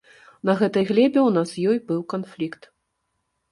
На гэтай глебе ў нас з ёй быў канфлікт.